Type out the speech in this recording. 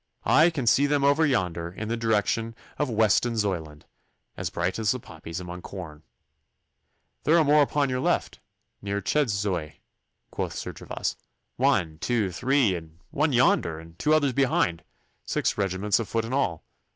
'I can see them over yonder in the direction of Westonzoyland, as bright as the poppies among corn.' 'There are more upon the left, near Chedzoy,' quoth Sir Gervas. 'One, two, three, and one yonder, and two others behind six regiments of foot in all.